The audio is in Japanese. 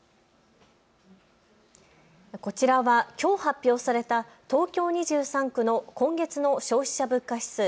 こちらはきょう発表された東京２３区の今月の消費者物価指数。